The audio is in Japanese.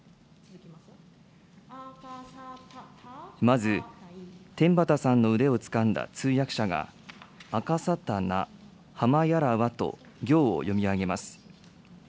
まず、天畠さんの腕をつかんだ通訳者が、あかさたなはまやらわと行を読み上げます。